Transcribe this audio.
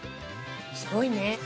すごいね。